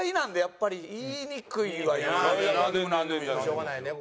しょうがないよね